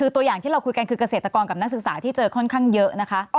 ตัวอย่างที่เราคุยกันคือเกษตรกรกับนักศึกษาที่เจอค่อนข้างเยอะนะคะ